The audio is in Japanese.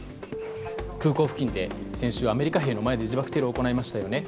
空港付近で先週アメリカ兵の前で自爆テロを行いましたよね。